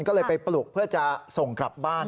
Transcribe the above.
ก็เลยไปปลุกเพื่อจะส่งกลับบ้าน